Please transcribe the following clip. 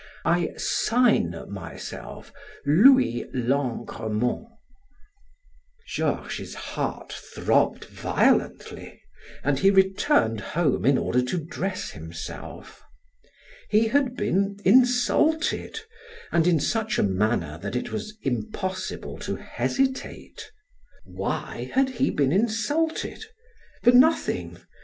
"I sign myself, Louis Langremont." Georges's heart throbbed violently, and he returned home in order to dress himself. He had been insulted and in such a manner that it was impossible to hesitate. Why had he been insulted? For nothing!